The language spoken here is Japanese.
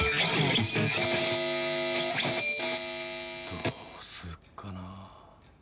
どうすっかな。